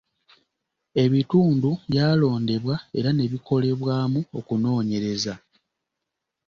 Ebitundu byalondebwa era ne bikolebwamu okunoonyereza.